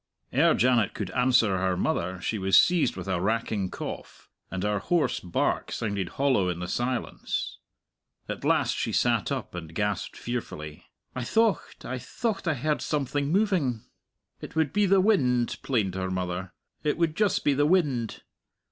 Ere Janet could answer her mother she was seized with a racking cough, and her hoarse bark sounded hollow in the silence. At last she sat up and gasped fearfully, "I thocht I thocht I heard something moving!" "It would be the wind," plained her mother; "it would just be the wind.